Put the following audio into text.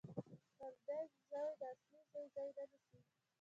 پردی زوی د اصلي زوی ځای نه نیسي